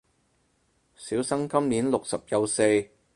小生今年六十有四